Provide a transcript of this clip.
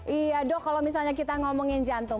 iya dok kalau misalnya kita ngomongin jantung